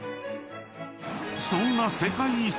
［そんな世界遺産］